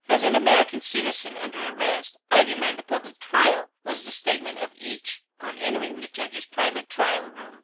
"As an American citizen under arrest, I demand a public trial," was the statement of each on entering the judge's private trial room.